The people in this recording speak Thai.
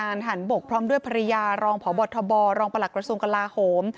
ผู้บัญชาการหันบกพร้อมด้วยภรรยารองผอบทบรองประหลักกระทรวงกระลาฮม